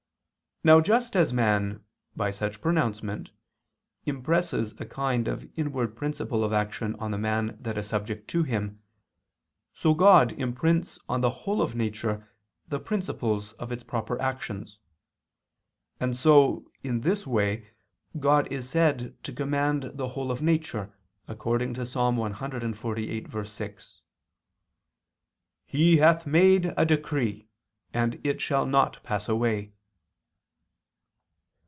Now just as man, by such pronouncement, impresses a kind of inward principle of action on the man that is subject to him, so God imprints on the whole of nature the principles of its proper actions. And so, in this way, God is said to command the whole of nature, according to Ps. 148:6: "He hath made a decree, and it shall not pass away."